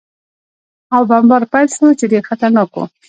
او بمبار پېل شو، چې ډېر خطرناک و.